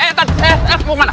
eh eh eh mau kemana